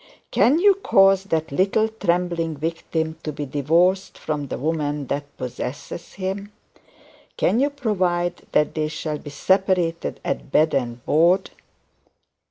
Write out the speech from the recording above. Can you cause that little trembling victim to be divorced from the woman who possesses him? Can you provide that they shall be separated at bed and board?